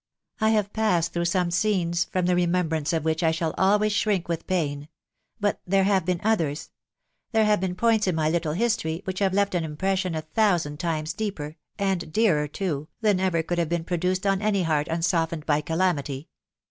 I have passed through some scenes, from the iemem~ brance of which 1 shall always shrink with pain ; but there have been others .... there have been points in my little history, •which have laft an impression a thousand times deeper, and dearer too, than could ever have been produced on any heart unsoftened by calamity.